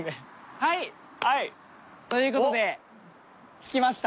はい！という事で着きました。